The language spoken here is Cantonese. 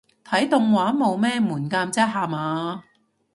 睇動畫冇咩門檻啫吓嘛